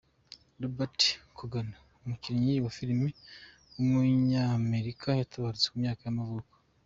Robert Coogan, umukinnyi wa filime w’umunyamerikayaratabarutse, ku myaka y’amavuko.